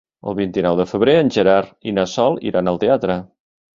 El vint-i-nou de febrer en Gerard i na Sol iran al teatre.